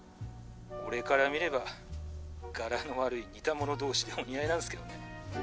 俺から見ればガラの悪い似た者同士でお似合いなんですけどね。